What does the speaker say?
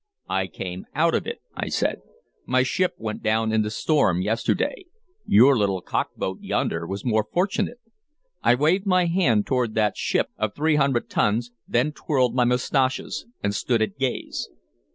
"I came out of it," I said. "My ship went down in the storm yesterday. Your little cockboat yonder was more fortunate." I waved my hand toward that ship of three hundred tons, then twirled my mustaches and stood at gaze.